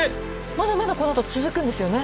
まだまだこのあと続くんですよね？